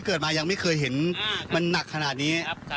นี่แหละนี่แหละนี่แหละนี่แหละ